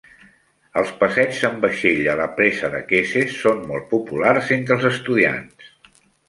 Els passeigs en vaixell a la presa de Kesses són molt populars entre els estudiants.